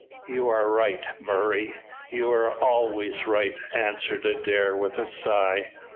"You are right, Murray, you are always right," answered Adair, with a sigh.